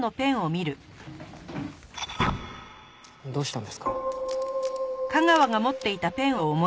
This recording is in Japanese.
どうしたんですか？